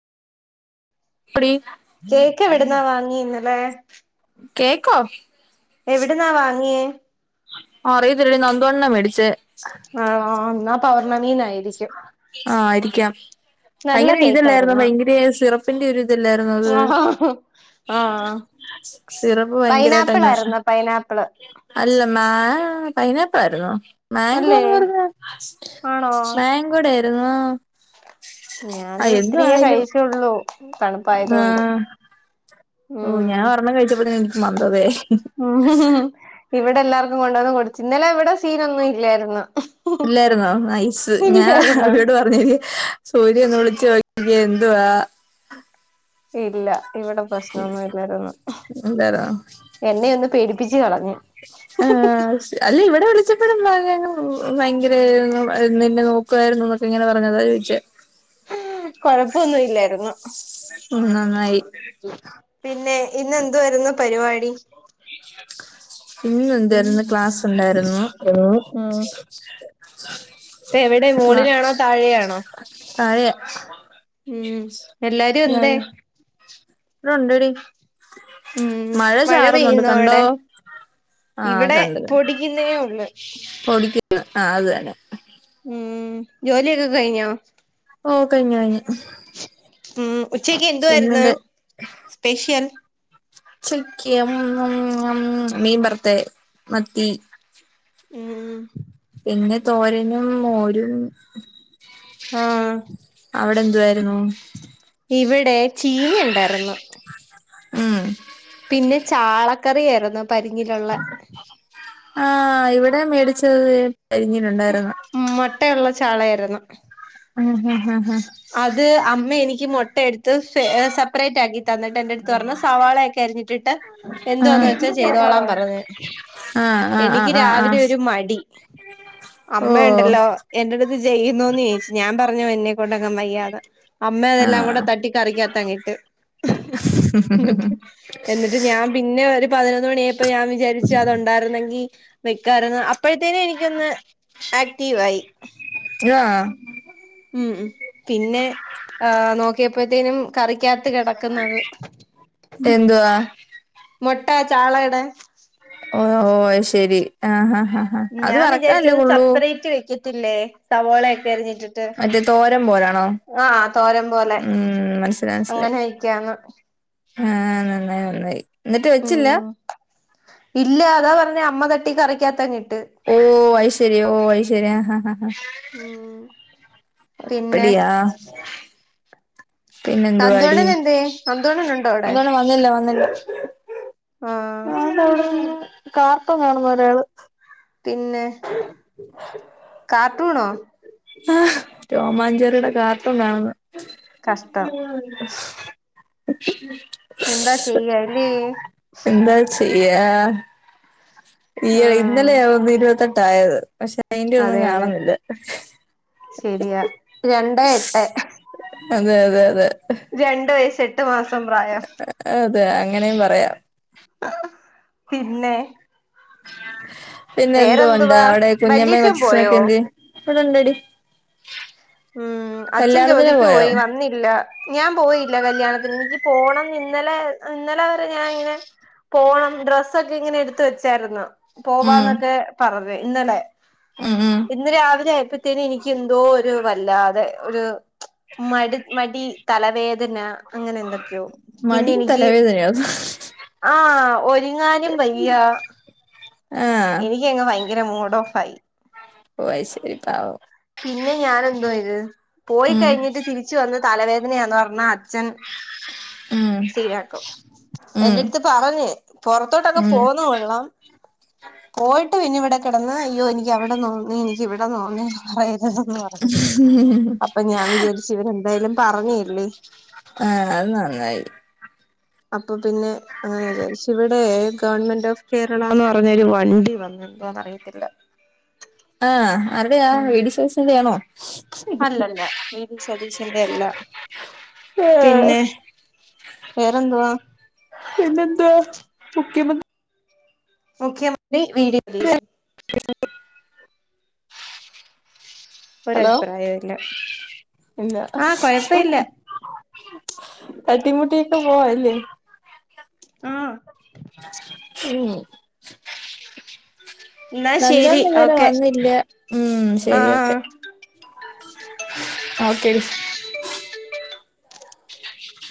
[unintelligible] Cake എവിട്ന്നാ വാങ്ങിന്നലേ? കേക്കോ? എവിട്ന്നാ വാങ്ങിയേ? അറിയതില്ലടി നന്തൂവെട്ടന മേടിച്ചേ [unintelligible] പൗർണമീന്നായിരിക്കും ആഹ് ആയിരിക്കാം. നല്ല ഭയങ്കര ഇതല്ലായിരുന്നോ, കേക്കായിരുന്ന ഭയങ്കര സിറപ്പിന്റെ ഒരു ഇതല്ലായിന്നു അത്. ആഹ് ആഹ് സിറപ്പ് ഭയങ്കരായിട്ട് പൈനാപ്പിൾ അങ്ങ് ആയിരുന്നു പൈനാപ്പിള് അല്ല മാ പൈനാപ്പിൾ ആായിരുന്നു. അല്ലേ മാങ്കോന്ന്പറഞ്ഞ് ആണോ? മാങ്കോടെ ആയിന്നൂ ഞാനൊരുത്തിരിയേ കഴിചോള്ളു ആ തണുപ്പായതൊണ്ട്. ഓ ഞാൻ ഒരെണ്ണം കഴിച്ചപ്പോ തന്നെ എനിക്ക് മന്തതായി ഹു ഹും ഹും ഇവിടെ എല്ലാർക്കും കൊണ്ടുവന്ന് കൊടുച്ചു ഇന്നലെ ഇവിടെ സീനൊന്നും ഇല്ലായിരുന്നു. ഇല്ലായിരുന്നോ? നൈസ് ഞാൻ ഇല്ലായിരുന്നു അവരോട് പറഞ്ഞു [unintelligible] സൂര്യന്ന് വിളിച്ചു ചോയ്ക്ക എന്തുവാ ഇല്ല, ഇവിടെ പ്രശ്നൊന്നും ഇല്ലാരന്നൂ എന്തായിരുന്നോ എന്നെ ഒന്ന് പേടിപ്പിച്ച് കളഞ്ഞ്. ആഹ് അല്ല ഇവിടെ വിളിച്ചപ്പോഴും [unintelligible] ഭയങ്കര നിന്നെ നോ ക്കായിരുന്നു ഓക്കെ ഇങ്ങനെ പറഞതാ ചോയിചേ [inaudible] കൊഴപ്പൊന്നും ഇല്ലായിരുന്നു. ഓ ന്നന്നായി പിന്നെ ഇന്ന് എന്തു വായിരുന്നു പരിപാടി ഇന്ന് എന്തായിരുന്നു ക്ലാസ് ഉണ്ടായിരുന്നു ഹാലോ? ഉം പ്പ എവിടെ മോളിലാണോ? താഴെയാണോ? [inaudible] താഴേ ഉം എല്ലാരും യാ എന്തേ രണ്ടടി ഉം മഴ ചാറുന്നുണ്ട് പെയ്യുന്നോ കണ്ടോ? അവിടെ ആഹ ഇവിടെ കണ്ട് കണ്ടു പൊടിക്കുന്നേ ഉള്ളു പൊടിക്ക് ഇട്ട് ആഹ് അതെന്നെ. ഉം ജോലിയൊക്കെ കഴിഞ്ഞോ? ഓഹ് കഴിഞ്ഞു കഴിഞ്ഞു. ഉം ഉച്ചക്ക് എന്തുവായിരുന്നു ചെന്നിണ്ട് സ്പെഷ്യൽ. ഉച്ചയ്ക്ക് മീൻ വറുത്തെ മത്തി. ഉം പിന്നെ തോരനും മോരും. ഉം അവിടെ എന്തുവായിരുന്നു? ഇവിടെ ചീനി ഉണ്ടായിരുന്നു. ഉം പിന്നെ ചാള കറിയായിരുന്നു പനീറുള്ള. ആഹ് ഇവിടെ മേടിച്ചത് പനീഞ്ഞർ ഉണ്ടായിരുന്നു. മുട്ടയുള്ള ചാളയായിരുന്നു. ആഹ് ആഹ് ആഹ് ആഹ് അത് അമ്മ എനിക്ക് മുട്ട എടു ത്ത് ഏഹ് സെപ്പറേറ്റ് ആക്കി തന്നിട്ട് എന്റെ അടുത്ത് പറഞ്ഞു സവാള ഒക്കെ അരിഞ്ഞിട്ടിട്ട്. ആഹ് എന്തുവാന്ന് വെച്ചാൽ ചെയ്തോളാൻ പറഞ്ഞു. ആഹ് ആഹ് എനിക്ക് ആഹ് ആഹ് രാവിലെ ആഹ് ഒരു മടി അമ്മ ഓഹ് ഉണ്ടല്ലോ. എന്റെ അടുത്ത് ചെയ്യുന്നോന്ന് ചോദിച്ചു, ഞാൻ പറഞ്ഞു എന്നെ. വെക്കാൻ വയ്യായെന്ന്, അമ്മ അതെല്ലാം ആഹ് കൂടെ തട്ടി കറിക്കാത്തങ്ങിട്ട്. എന്നിട്ട് എന്നിട്ട് ഞാൻ പിന്നെ ഒരു പതിനൊന്ന് മണിയായിപ്പോ ഞാൻ വിചാരിച്ചു അത് ഉണ്ടായിരുന്നെങ്കിൽ. വെക്കായിരുന്നു അപ്പോഴത്തേന് എനിക്കൊന്നു ആക്റ്റീവായി. ആഹ് ഉം പിന്നെ ആഹ് നോക്കിയപ്പൊഴാത്തേനും. കറിക്ക് അകത്ത് കിടക്കുന്നു അത്. എന്തുവാ മുട്ട ചാളടെ. ഓഹ് ഓഹ് അത് ശരി, ആഹ് ആഹ് ആഹ്. ആഹ് അത് ഞാൻ വറക്കാനല്ലേ വിചാരിച്ചത് കൊള്ളൂ സെപ്പറേറ്റ് വെക്കത്തില്ലേ? സവോളെയെക്കെ അരിഞ്ഞിട്ടിട്ട്, മറ്റേ തോരൻ പോലാണോ ആഹ് തോരൻ പോലെ ഉം മനസ്സിലായി മനസ്സിലായി അങ്ങനെ. വെക്കാന്ന് ആഹ് നന്നായി നന്നായി എന്നിട്ട് വെച്ചില്ല. ഉം ഇല്ല അത് പറഞ്ഞേ അമ്മ തട്ടി കറി അകത്തങ്ങട്ട്. ഓഹ് അയ് ശരി, ഓഹ് അയ് ശരി ആഹ് ആഹ് ആഹ്. ഉം പിന്നെ അപ്പിടിയ പിന്നെന്തുവാടീ നന്ദോണൻ എന്തേ നന്ദോണൻ ഉണ്ടോ അവിടെ ഒന്ന് കൂടെ വന്നില്ല വന്നില്ല. ആഹ് ഇവിടെയിരുന്ന് കാർട്ടൂൺ കാണുന്ന ഒരാളെ. പിന്നെ കാർട്ടൂണോ? ആഹ് ടോം ആൻഡ് ജെറിയുടെ കാർട്ടൂൺ കാണുന്നു. കഷ്ടം ആഹ് എന്താ ചെയ്യ അല്ലി എന്താ ചെയ്യാ ഇയ്യോ ആഹ് ഇന്നലെയാ ഒന്ന് ഇരുവെത്തെട്ടായത് പക്ഷെ അയ്ന്റൊന്നും അതെ അതെ കാണുന്നില്ല ശരിയാ രണ്ട് എട്ട് അതെ അതെ അതെ രണ്ട് വെയസ് എട്ട് മാസം പ്രായം അതെ അങ്ങെനെയും പറയാം പിന്നെ പിന്നെ എന്തോ ഉണ്ട് വേറെന്തുവാ അവിടെ കുഞ്ഞമ്മയും വല്യച്ഛൻ കൊച്ചച്ചനൊക്കെ പോയോ എന്തേ ഇവ്ടെണ്ടടി ഉം അച്ഛൻ ജോലിക്ക് പോയോ പോയി വന്നി ല്ലാ ഞാൻ പോയില്ല കല്യാണത്തിന് എനിക്ക് പോണം ഇന്നലെ ഇന്നലെ വരെ ഞാനിങ്ങെനെ പോണം ഡ്രെസ്സൊക്കെങ്ങനെ എടുത്ത് വെച്ചാരുന്ന് ഉം പോവാന്നൊക്കെ പറഞ്ഞ് ഇന്നലെ ഉം ഉം ഇന്ന് രാവിലായപ്പോത്തേന് എനിക്കെന്തോ രു വല്ലാതെ ഒരു മടി മടി തലവേദന അങ്ങനെന്തൊക്കെയോ മടിയും പിന്നെനിക്ക് [unintelligible] ആഹ് ഒര്ങ്ങാനും വയ്യാ ആഹ് എനിക്കെങ്ങ് ഭയ്ങ്കര മൂഡോഫായി ഓ [unintelligible] പാവം പിന്നെ ഞാനെന്തുവെയ്ത് പോയി ഉം കഴിഞ്ഞിട്ട് തിരിച്ച് വന്ന് തലവേദനയാന്ന് പറ്ഞ്ഞാ അ ച്ഛൻ ഉം സീനാക്കും ഉം എന്റെട്ത്ത് പറഞ്ഞ് പൊറത്തോട്ടൊക്കെ ഉം പോന്ന കൊള്ളാം പോയിട്ട് പിന്നെവിടെ കെടന്ന് അയ്യോ എനിക്കവിടെ നോവുന്നേ എനിക്കിവിടെ നോവുന്നേ പറയെരുതന്ന് പറഞ്ഞ് അപ്പൊ ഞാൻ വിചാരിച്ച് ഇവരെന്തായാലും പറഞ്ഞല്ലേ ആഹ് അത് നന്നായി അപ്പൊ പിന്നെ അങ്ങനെ വിചാരിച്ച് ഇവിടെ ഗവൺമെന്റ് ഓഫ് കേരള എന്ന് പറഞ്ഞ ഒരു വണ്ടി വന്ന് എന്തോവന്നറിയത്തില്ല ആഹ് ആരുടെയാ വേഡി സോസിന്റെയന്നോ അല്ലല്ല വി ഡി സതീഷന്റെറ അല്ല പിന്നെ വേറെന്തുവ പിന്നെന്താ മുഖ്യമ മുഖ്യമന്ത്രി വി ഡി തീഷൻ [inaudible] ഹലോ ഒരഭിപ്രായവും ഇല്ല ഇല്ല ആ കൊഴപ്പ ഇല്ല തട്ടി മുട്ടി ക്ക പോക അല്ലേ ആ ഉം എന്നാ നന്ദു ശരി അണ്ണൻ ഇതുവരെ ഓക്കെ വന്നില്ലേ ഉം ആ ആ ശരിയോക്കെ ഓക്കെ ടി